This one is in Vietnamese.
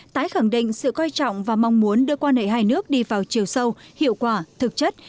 tái khẳng định sự coi trọng và mong muốn đưa quan hệ hai nước đi vào chiều sâu hiệu quả thực chất